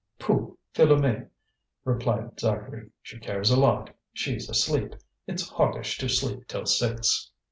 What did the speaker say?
"Pooh! Philoméne!" replied Zacharie, "she cares a lot, she's asleep. It's hoggish to sleep till six."